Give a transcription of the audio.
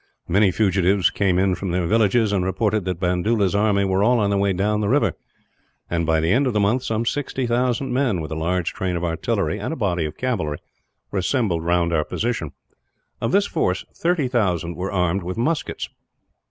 Many fugitives came in from their villages, and reported that Bandoola's army were all on their way down the river; and by the end of the month some sixty thousand men, with a large train of artillery and a body of cavalry, were assembled round our position. Of this force, thirty thousand were armed with muskets.